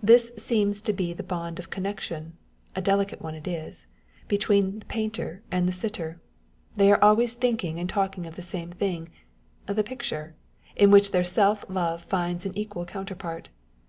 This seems to be the bond of connexion (a delicate one it is !) between the painter and the sitter â€" they are always thinking and talking of the same thing, the picture, in which their self love finds an equal counterpart.